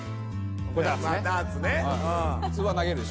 普通は投げるでしょ？